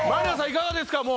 いかがですか？